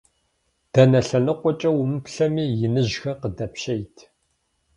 Дэнэ лъэныкъуэкӏэ умыплъэми, иныжьхэр къыдэпщейт.